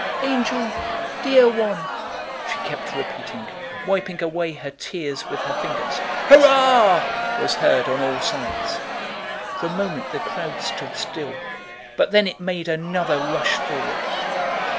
Angel! Dear one!" she kept repeating, wiping away her tears with her fingers. "Hurrah!" was heard on all sides. For a moment the crowd stood still, but then it made another rush forward.